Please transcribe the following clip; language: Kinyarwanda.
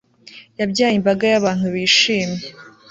Yabyaye imbaga yabantu bishimye